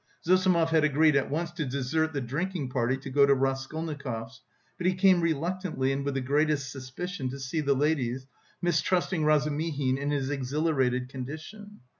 Zossimov had agreed at once to desert the drinking party to go to Raskolnikov's, but he came reluctantly and with the greatest suspicion to see the ladies, mistrusting Razumihin in his exhilarated condition.